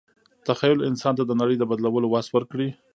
تخیل انسان ته د نړۍ د بدلولو وس ورکړی.